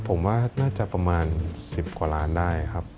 ผมว่าน่าจะประมาณ๑๐กว่าล้านได้ครับ